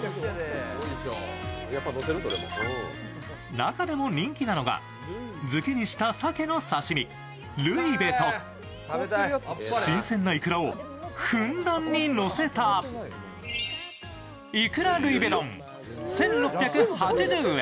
中でも人気なのが、漬けにしたさけの刺身、ルイベと新鮮ないくらをふんだんにのせたいくらルイベ丼、１６８０円。